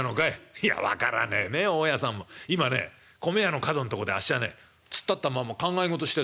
今ね米屋の角んとこであっしはね突っ立ったまんま考え事してたんだよ。